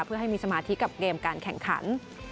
เพื่อให้มีสมาธิกับเกมการแข่งขัน